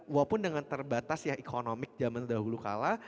walaupun dengan terbatas ya ekonomi zaman dahulu kalah